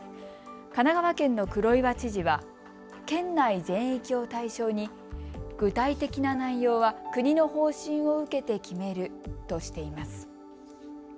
神奈川県の黒岩知事は県内全域を対象に具体的な内容は国の方針を受けて決めるとしています。